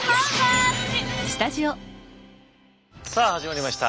さあ始まりました。